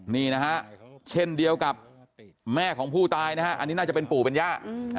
นี่นะฮะเช่นเดียวกับแม่ของผู้ตายนะฮะอันนี้น่าจะเป็นปู่เป็นย่า